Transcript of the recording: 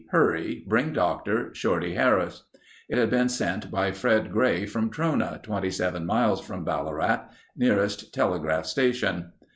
Hurry. Bring doctor. Shorty Harris." It had been sent by Fred Gray from Trona, 27 miles from Ballarat, nearest telegraph station.